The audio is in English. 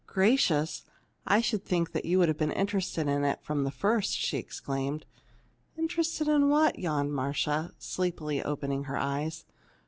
"Gracious! I should think you would have been interested in it from the first!" she exclaimed. "Interested in what?" yawned Marcia, sleepily, opening her eyes.